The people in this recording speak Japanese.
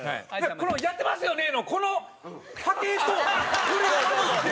この「やってますよね」のこの波形とこれが混ざって。